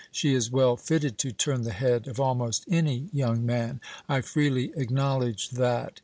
She is well fitted to turn the head of almost any young man I freely acknowledge that.